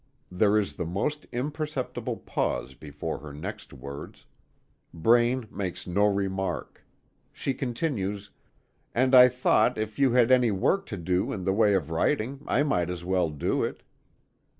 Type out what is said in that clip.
There is the most imperceptible pause before her next words. Braine makes no remark. She continues; "And I thought if you had any work to do in the way of writing, I might as well do it."